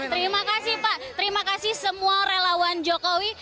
terima kasih pak terima kasih semua relawan jokowi